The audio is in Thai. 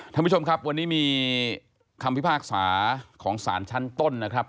ท่านผู้ชมครับวันนี้มีคำพิพากษาของสารชั้นต้นนะครับ